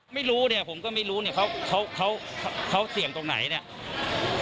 ไม่รู้เนี่ยผมก็ไม่รู้เนี่ยเขาเขาเสี่ยงตรงไหนเนี่ย